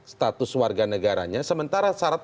status warga negaranya sementara syarat